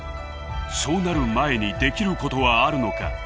そうなる前にできることはあるのか。